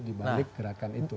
di balik gerakan itu